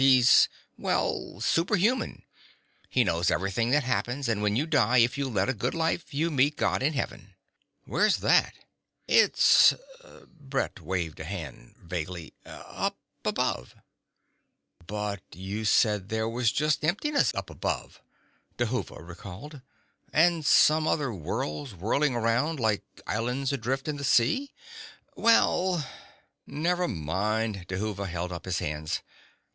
He's ... well, superhuman. He knows everything that happens, and when you die, if you've led a good life, you meet God in Heaven." "Where's that?" "It's ..." Brett waved a hand vaguely, "up above." "But you said there was just emptiness up above," Dhuva recalled. "And some other worlds whirling around, like islands adrift in the sea." "Well " "Never mind," Dhuva held up his hands.